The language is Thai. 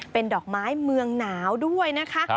เป็นดอกไม้เมืองหนาวด้วยนะคะ